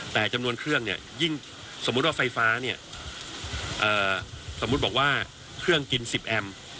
แต่จำนวนเครื่องเนี่ยยิ่งสมมุติว่าไฟฟ้าเนี่ยสมมุติบอกว่าเครื่องกิน๑๐แอม